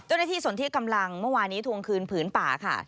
เจ้าหน้าที่ศนที่กำลังเมื่อวานนี้ทวงคืนผืนปากค่ะ